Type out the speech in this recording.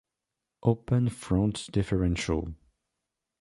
Open front differential.